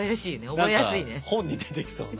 なんか本に出てきそうな！